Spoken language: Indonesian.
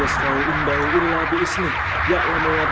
astaghfirullahaladzim ya allah